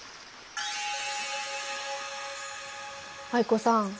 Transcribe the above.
藍子さん